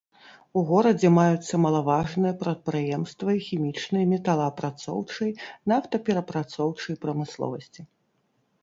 У горадзе маюцца малаважныя прадпрыемствы хімічнай, металаапрацоўчай, нафтаперапрацоўчай прамысловасці.